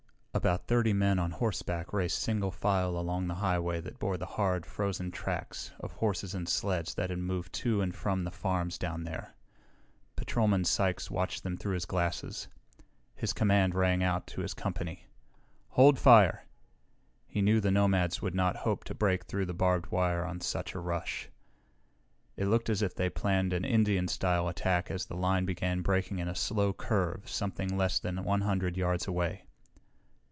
About thirty men on horseback raced single file along the highway that bore the hard, frozen tracks of horses and sleds that had moved to and from the farms down there. Patrolman Sykes watched them through his glasses. His command rang out to his company. "Hold fire." He knew the nomads would not hope to break through the barbed wire on such a rush. It looked as if they planned an Indian style attack as the line began breaking in a slow curve something less than 100 yards away.